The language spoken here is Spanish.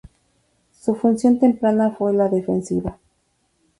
Su función temprana fue la defensiva.